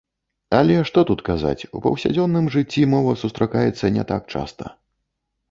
Але, што тут казаць, у паўсядзённым жыцці мова сустракаецца не так часта.